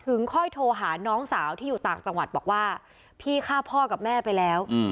ค่อยโทรหาน้องสาวที่อยู่ต่างจังหวัดบอกว่าพี่ฆ่าพ่อกับแม่ไปแล้ว